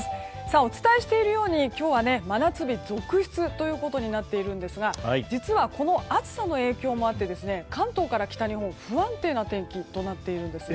お伝えしているように今日は真夏日続出となっているんですが実は、この暑さの影響もあって関東から北日本は不安定な天気となっているんです。